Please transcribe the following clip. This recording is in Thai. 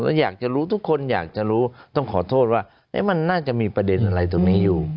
แล้วอยากจะรู้ทุกคนอยากจะรู้ต้องขอโทษว่ามันน่าจะมีประเด็นอะไรตรงนี้อยู่